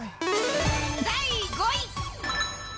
第５位。